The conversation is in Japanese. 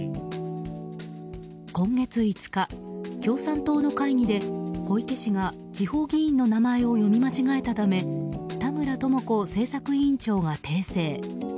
今月５日、共産党の会議で小池氏が地方議員の名前を読み間違えたため田村智子政策委員長が訂正。